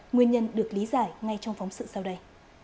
nguyên nhân được lý giải ngay trong phóng sự sau đây